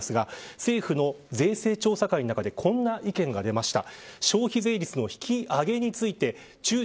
政府の税制調査会の中でこのような意見が出ました。